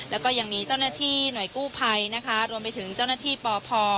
แล้วก็ยังมีเจ้าหน้าที่หน่วยกู้ภัยนะคะรวมไปถึงเจ้าหน้าที่ปพ